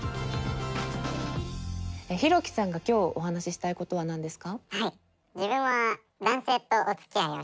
ヒロキさんが今日お話ししたいことは何ですか？